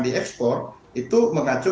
diekspor itu mengacu